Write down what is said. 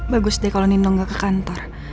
bagus deh kalau nino nggak ke kantor